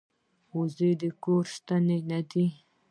• زوی د کور د ستنو نه دی.